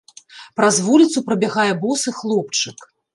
Праз вуліцу прабягае босы хлопчык.